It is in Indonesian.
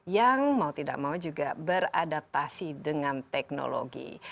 yang mau tidak mau juga beradaptasi dengan teknologi